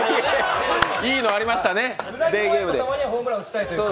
いいのありましたね。